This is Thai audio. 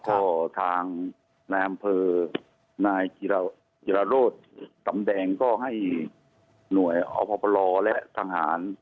เพราะทางน้ำเผอร์นายยิราโรธสำแดงก็ให้หน่วยอภพลและทางหาร